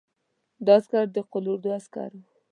دا عسکر د قول اردو عسکر وو.